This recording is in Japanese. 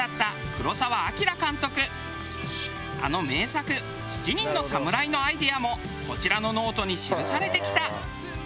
あの名作『七人の侍』のアイデアもこちらのノートに記されてきた。